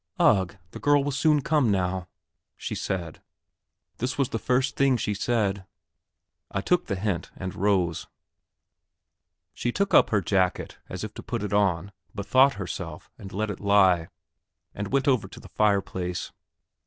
"Ugh, the girl will soon come now!" she said; this was the first thing she said. I took the hint, and rose. She took up her jacket as if to put it on, bethought herself, and let it lie, and went over to the fireplace.